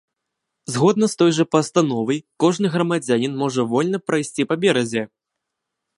Згодна з той жа пастановай, кожны грамадзянін можа вольна прайсці па беразе.